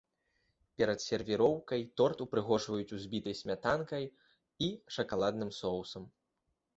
Перад сервіроўкай торт упрыгожваюць узбітай смятанкай і шакаладным соусам.